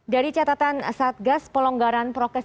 dari catatan satgas